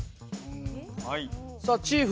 さあチーフ